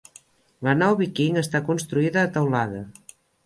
La nau viking està construïda a teulada.